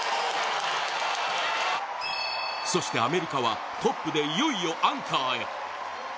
そして、アメリカはトップで、いよいよアンカーへ。